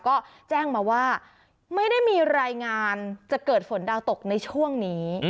ก็แจ้งมาว่าไม่ได้มีรายงานจะเกิดฝนดาวตกในช่วงนี้